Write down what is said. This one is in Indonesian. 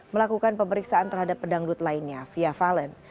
melakukan pemeriksaan terhadap pedangdut lainnya fia valen